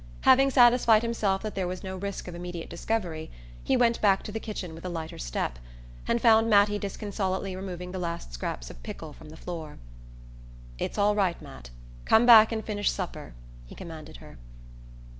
Having satisfied himself that there was no risk of immediate discovery he went back to the kitchen with a lighter step, and found Mattie disconsolately removing the last scraps of pickle from the floor. "It's all right, Matt. Come back and finish supper," he commanded her.